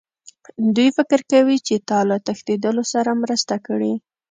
دوی فکر کوي چې تا له تښتېدلو سره مرسته کړې